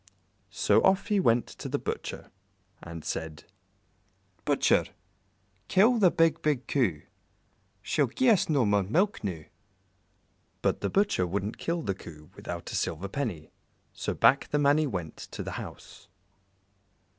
So off he went to the Butcher, and said "Butcher, kill the big, big Coo, She'll gi'e us no more milk noo." But the Butcher wouldn't kill the Coo without a silver penny, so back the Mannie went to the house.